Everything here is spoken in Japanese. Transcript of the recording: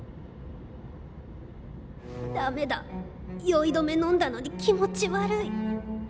酔い止めのんだのに気持ち悪い。